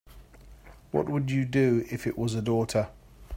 What would you do if it was a daughter?